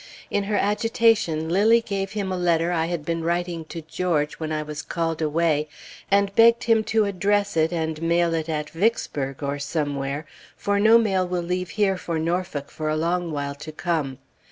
In her agitation, Lilly gave him a letter I had been writing to George when I was called away; and begged him to address it and mail it at Vicksburg, or somewhere; for no mail will leave here for Norfolk for a long while to come.